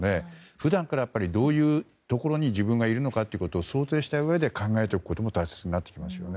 普段からどういうところに自分がいるのかを想定したうえで考えておくことも大切になってきますね。